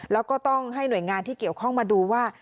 แล้วก็ต้องให้หน่วยงานที่เกี่ยวข้องมาดูว่า